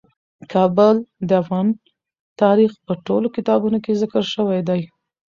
کابل د افغان تاریخ په ټولو کتابونو کې ذکر شوی دی.